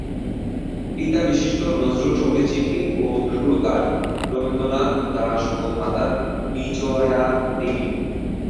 পিতা বিশিষ্ট নজরুল সংগীত শিল্পী ও সুরকার ধীরেন্দ্রনাথ দাস ও মাতা বিজয়া দেবী।